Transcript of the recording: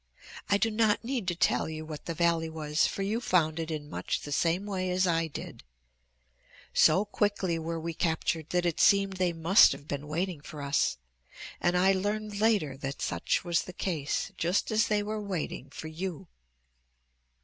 I do not need to tell you what the valley was, for you found it in much the same way as I did. So quickly were we captured that it seemed they must have been waiting for us, and I learned later that such was the case, just as they were waiting for you.